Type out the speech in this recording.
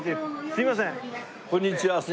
すいません。